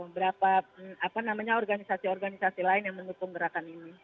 berapa organisasi organisasi lain yang mendukung gerakan ini